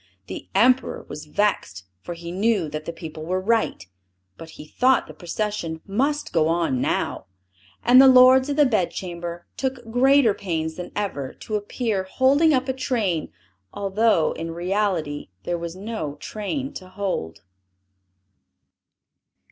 The Emperor was vexed, for he knew that the people were right; but he thought the procession must go on now! And the lords of the bedchamber took greater pains than ever, to appear holding up a train, although, in reality, there was no train to hold.